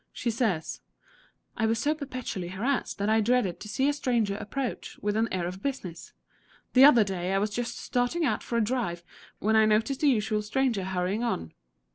She says: "I was so perpetually harassed that I dreaded to see a stranger approach with an air of business. The other day I was just starting out for a drive when I noticed the usual stranger hurrying on.